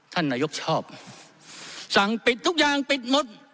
ท่านนายกชอบสั่งปิดทุกอย่างปิดหมด